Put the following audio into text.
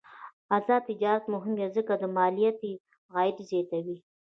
آزاد تجارت مهم دی ځکه چې مالیاتي عاید زیاتوي.